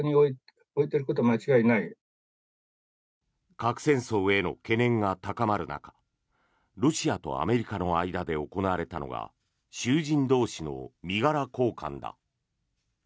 核戦争への懸念が高まる中ロシアとアメリカの間で行われたのが囚人同士の身柄交換だ。